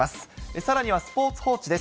さらにはスポーツ報知です。